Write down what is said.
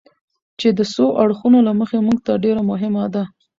چې د څو اړخونو له مخې موږ ته ډېره مهمه ده.